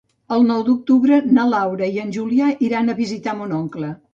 El nou d'octubre na Laura i en Julià iran a visitar mon oncle.